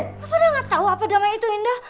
kenapa dia gak tau apa damai itu indah